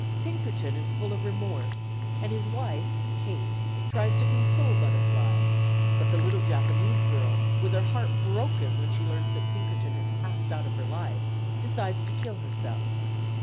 Pinkerton is full of remorse, and his wife Kate tries to console Butterfly, but the little Japanese girl, with her heart broken when she learns that Pinkerton has passed out of her life, decides to kill herself.